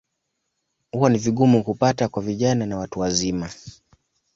Huwa ni vigumu kupata kwa vijana na watu wazima.